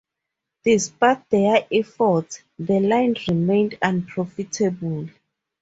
Despite their efforts, the line remained unprofitable.